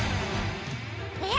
えっ！？